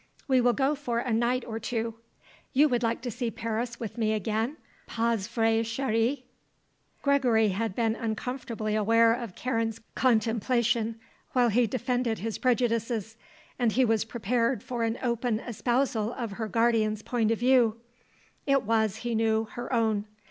We will go for a night or two. You would like to see Paris with me again; pas vrai, chérie?" Gregory had been uncomfortably aware of Karen's contemplation while he defended his prejudices, and he was prepared for an open espousal of her guardian's point of view; it was, he knew, her own.